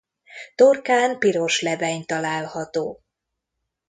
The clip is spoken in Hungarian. Torkán piros lebeny található.